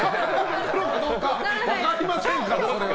真っ黒かどうかは分かりませんからね。